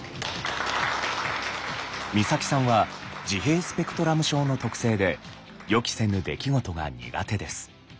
光沙季さんは自閉スペクトラム症の特性で予期せぬ出来事が苦手です。